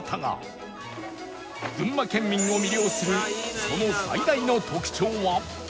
群馬県民を魅了するその最大の特徴は